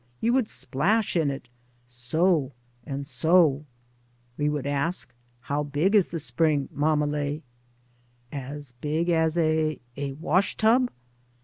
You would splash in it — so I — and so !" We would ask, " How big is the spring, mam mele? As big as — a wash tub?"